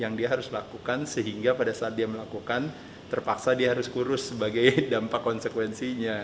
yang dia harus lakukan sehingga pada saat dia melakukan terpaksa dia harus kurus sebagai dampak konsekuensinya